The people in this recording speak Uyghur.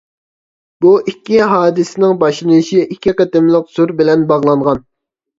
بۇ ئىككى ھادىسىنىڭ باشلىنىشى ئىككى قېتىملىق سۈر بىلەن باغلانغان.